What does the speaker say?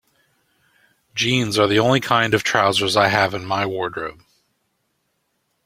Jeans are the only kind of trousers I have in my wardrobe.